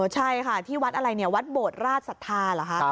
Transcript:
ใช่ค่ะที่วัดอะไรเนี่ยวัดโบดราชศรัทธาเหรอคะ